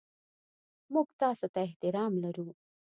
موږ تاسو ته احترام لرو.